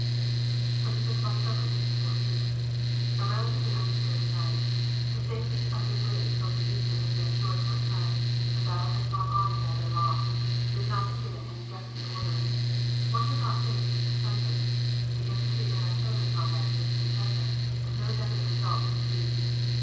Twenty fifth of October, 1914: "A relatively undisturbed night. The safety of the bridge over the Yser has been assured for a time. The battle has gone on the whole day long. We have not been given any definite orders. One would not think this is Sunday. The infantry and artillery combat is incessant, but no definite result is achieved.